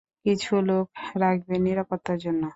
কিছু লোক রাখবেন, নিরাপত্তার জন্য।